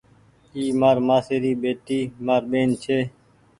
اي مآر مآسي ري ٻيٽي مآر ٻيهن ڇي۔